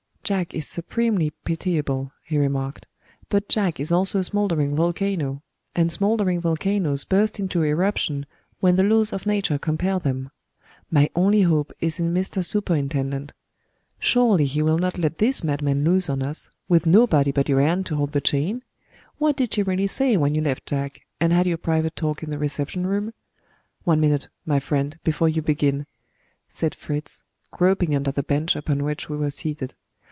"Jack is supremely pitiable," he remarked; "but Jack is also a smoldering volcano and smoldering volcanos burst into eruption when the laws of nature compel them. My only hope is in Mr. Superintendent. Surely he will not let this madman loose on us, with nobody but your aunt to hold the chain? What did she really say, when you left Jack, and had your private talk in the reception room? One minute, my friend, before you begin," said Fritz, groping under the bench upon which we were seated.